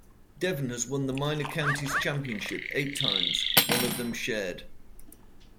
Devon has won the Minor Counties Championship eight times, one of them shared.